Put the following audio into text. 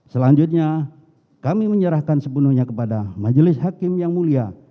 selanjutnya kami menyerahkan sepenuhnya kepada majelis hakim yang mulia